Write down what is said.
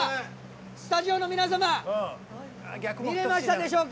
スタジオの皆様見えましたでしょうか？